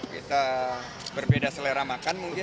kita berbeda selera makan mungkin